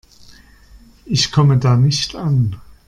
Ich komme da nicht an.